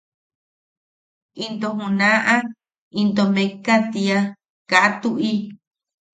Into juna’a into mekka tiia –Kaa tu’i.